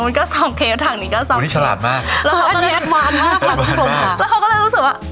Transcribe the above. แล้วเขาก็เลยรู้สึกว่า